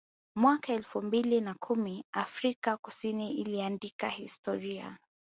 Mwaka elfu mbili na kumi Afrika Kusini iliandika historia